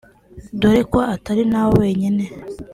dore ko atari na wenyine